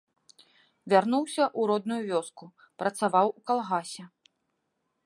Вярнуўся ў родную вёску, працаваў у калгасе.